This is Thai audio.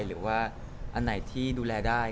หรือว่าอันไหนที่ดูแลได้